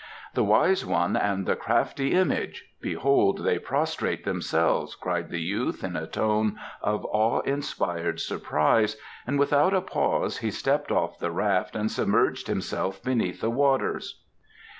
"The Wise One and the Crafty Image behold they prostrate themselves!" cried the youth in a tone of awe inspired surprise, and without a pause he stepped off the raft and submerged himself beneath the waters.